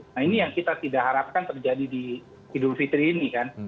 nah ini yang kita tidak harapkan terjadi di idul fitri ini kan